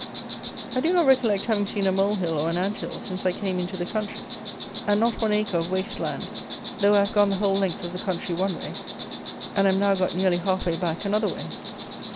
I do not recollect having seen a mole hill or an ant hill since I came into the country; and not one acre of waste land, though I have gone the whole length of the country one way, and am now got nearly half way back another way.